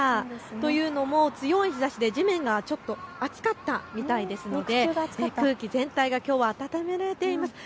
というのも強い日ざしで地面がちょっと熱かったみたいですので空気全体がきょうは温められています。